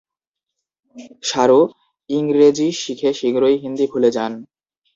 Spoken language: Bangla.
সারু, ইংরেজি শিখে শীঘ্রই হিন্দি ভুলে যান।